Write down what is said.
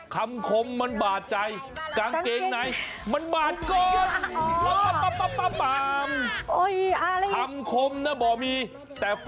คำคมมันบาดใจกางเกงไหนมันบาดก็อีก